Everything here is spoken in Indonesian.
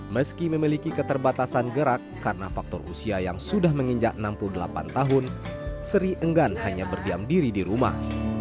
meski memiliki keterbatasan gerak karena faktor usia yang sudah menginjak enam puluh delapan tahun sri enggan hanya berdiam diri di rumah